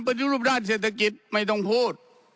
ปฏิรูปด้านเศรษฐกิจไม่ต้องพูด